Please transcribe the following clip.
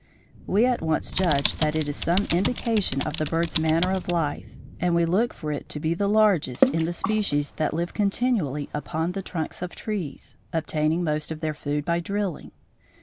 We at once judge that it is some indication of the bird's manner of life, and we look for it to be largest in the species that live continually upon the trunks of trees, obtaining most of their food by drilling.